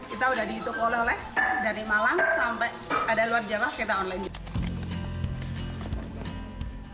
kita udah dihitung oleh oleh dari malang sampai ada luar jawa kita online